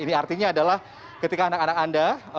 ini artinya adalah ketika anak anak anda